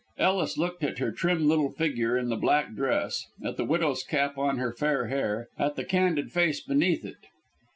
Ellis looked at her trim little figure in the black dress, at the widow's cap on the fair hair, at the candid face beneath it.